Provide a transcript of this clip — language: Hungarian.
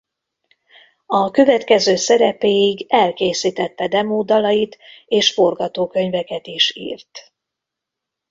A következő szerepéig elkészítette demo dalait és forgatókönyveket is írt.